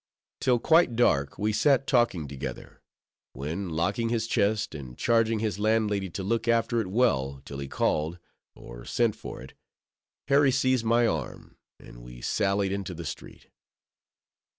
Till quite dark, we sat talking together; when, locking his chest, and charging his landlady to look after it well, till he called, or sent for it; Harry seized my arm, and we sallied into the street.